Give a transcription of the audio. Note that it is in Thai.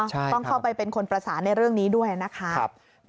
ต้องเข้าไปเป็นคนประสานในเรื่องนี้ด้วยนะคะ